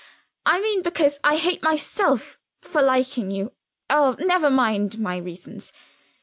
I mean because I hate myself for liking you. Oh, never mind my reasons.